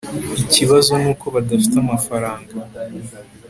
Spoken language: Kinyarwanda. ikibazo nuko badafite amafaranga